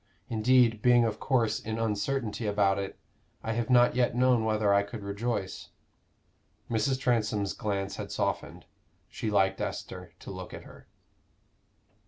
Indeed, being of course in uncertainty about it, I have not yet known whether I could rejoice." Mrs. Transome's glance had softened. She liked Esther to look at her.